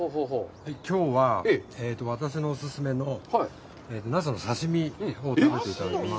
きょうは私のお勧めのナスの刺身を食べていただきます。